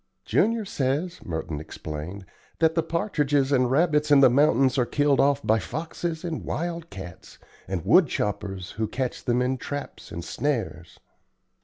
"Junior says," Merton explained, "that the partridges and rabbits in the mountains are killed off by foxes and wild cats and wood choppers who catch them in traps and snares."